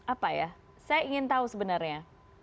apa ya saya ingin tahu sebenarnya